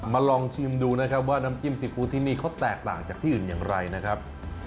ลองชิมดูนะครับว่าน้ำจิ้มซีฟู้ดที่นี่เขาแตกต่างจากที่อื่นอย่างไรนะครับ